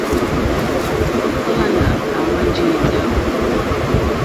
Èmólánà àhwánjì èndáwò.